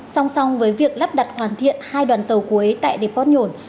song song với việc lắp đặt hoàn thiện hai đoàn tàu cuối tại deport nhổn